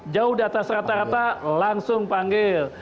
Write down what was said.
jauh di atas rata rata langsung panggil